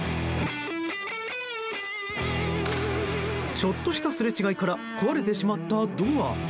ちょっとしたすれ違いから壊れてしまったドア。